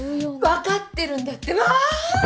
わかってるんだってば！